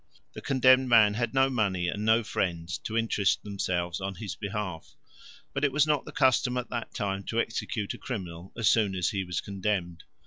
The condemned man had no money and no friends to interest themselves on his behalf; but it was not the custom at that time to execute a criminal as soon as he was condemned.